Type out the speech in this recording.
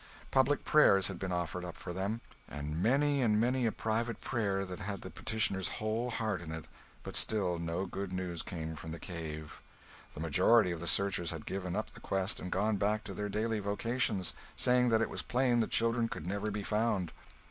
Public prayers had been offered up for them, and many and many a private prayer that had the petitioner's whole heart in it; but still no good news came from the cave. The majority of the searchers had given up the quest and gone back to their daily avocations, saying that it was plain the children could never be found.